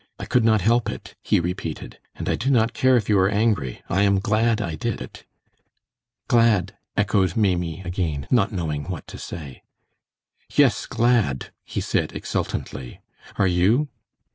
I could not help it," he repeated. "And I do not care if you are angry. I am glad I did it." "Glad?" echoed Maimie again, not knowing what to say. "Yes, glad," he said, exultantly. "Are you?"